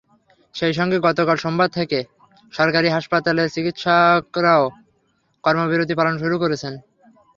সেই সঙ্গে গতকাল সোমবার থেকে সরকারি হাসপাতালের চিকিৎসকেরাও কর্মবিরতি পালন শুরু করেছেন।